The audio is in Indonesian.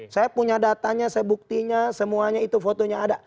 saya punya datanya saya buktinya semuanya itu fotonya ada